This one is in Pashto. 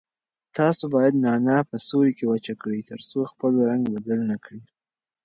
تاسو باید نعناع په سیوري کې وچ کړئ ترڅو خپل رنګ بدل نه کړي.